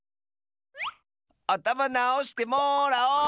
あたまなおしてもらおう！